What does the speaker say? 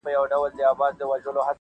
چي پیدا کړي لږ ثروت بس هوایې سي,